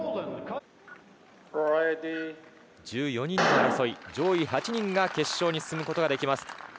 １４人の争い上位８人が決勝に進むことができます。